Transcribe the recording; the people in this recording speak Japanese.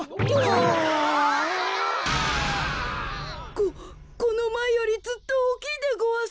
ここのまえよりずっとおおきいでごわす。